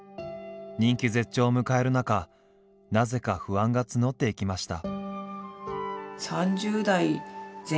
人気絶頂を迎える中なぜか不安が募っていきました。